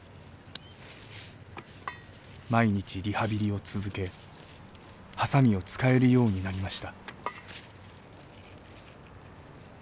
毎日リハビリを続けはさみを使えるようになりました。